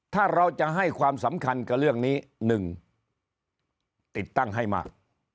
ถ้าเราจะให้ความสำคัญกับเรื่องนี้๑ติดตั้งให้มาก